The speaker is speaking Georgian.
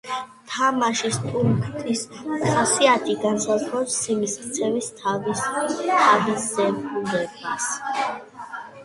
თამაშის პუნქტის ხასიათი განსაზღვრავს სიმის ქცევის თავისებურებებს.